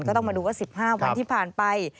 ต้องมาดูว่า๑๕วันที่ผ่านไป